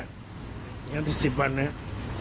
อย่างที่๑๐วันนะครับ